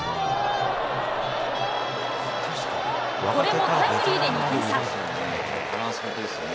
これもタイムリーで２点差。